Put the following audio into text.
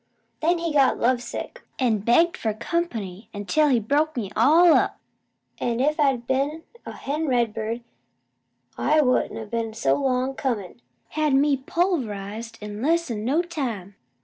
Then he got love sick, an' begged for comp'ny until he broke me all up. An' if I'd a been a hen redbird I wouldn't a been so long comin'. Had me pulverized in less'n no time!